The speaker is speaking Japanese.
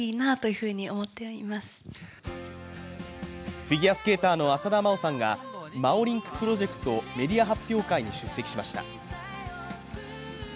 フィギュアスケーターの浅田真央さんがＭＡＯＲＩＮＫＰＲＯＪＥＣＴメディア発表会に出席しました。